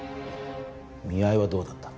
見合いはどうだった？